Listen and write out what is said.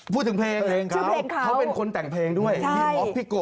พูดถึงเพลงเขาเขาเป็นคนแต่งเพลงด้วยใช่ค่ะชื่อเพลงเขา